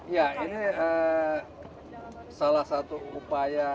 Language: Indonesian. ya ini salah satu upaya